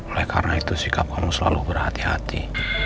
oleh karena itu sikap kamu selalu berhati hati